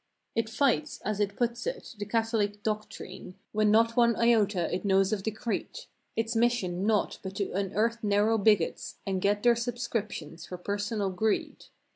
It fights, as it puts it, the Catholic doctrine When not one iota it knows of the creed. Its mission naught but to unearth narrow bigots And get their subscriptions for personal greed.